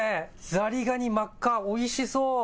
ザリガニ、真っ赤、おいしそう。